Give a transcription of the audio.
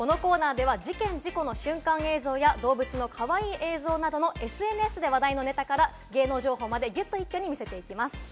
このコーナーでは事件・事故の瞬間映像や、動物のかわいい映像などのＳＮＳで話題のネタから芸能情報までぎゅっと一挙に見せていきます。